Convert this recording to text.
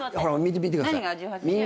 見てください。